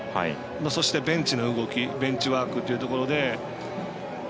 そしてベンチの動きベンチワークというところで。